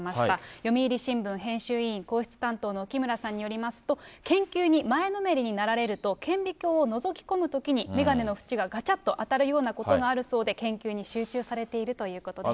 読売新聞編集委員、皇室担当の沖村さんによりますと、研究に前のめりになられると、顕微鏡をのぞきこまれるときに眼鏡の縁ががちゃっと当たるようなことがあるそうで、研究に集中されているということです。